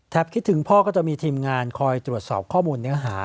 คิดถึงพ่อก็จะมีทีมงานคอยตรวจสอบข้อมูลเนื้อหา